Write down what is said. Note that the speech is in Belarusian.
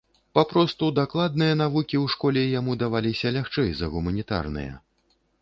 Папросту дакладныя навукі ў школе яму даваліся лягчэй за гуманітарныя.